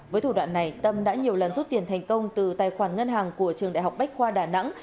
với thủ đoạn này tâm đã nhiều lần rút tiền thành công từ tài khoản ngân hàng của trường đại học bách khoa đà nẵng